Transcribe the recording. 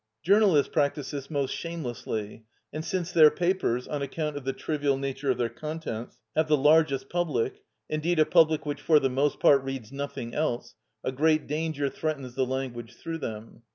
Journalists practise this most shamelessly; and since their papers, on account of the trivial nature of their contents, have the largest public, indeed a public which for the most part reads nothing else, a great danger threatens the language through them.